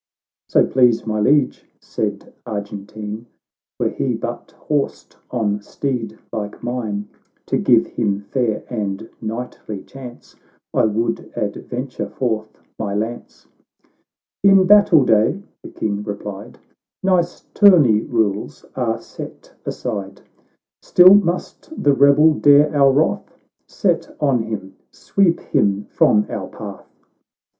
"—" So please my Liege," said Argentine, " "Were he but horsed on steed like mine, To give him fair and knightly chance, I would adventure forth my lance." —" In battle day," the King replied, " Nice tourney rules are set aside. — Still must the rebel dare our wrath ? Set on him — sweep him from our path